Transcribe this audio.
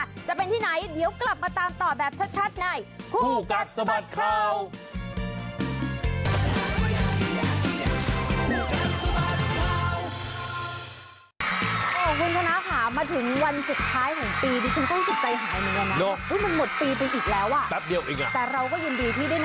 จะเป็นที่ไหนเดี๋ยวกลับมาตามตอบแบบชัดใน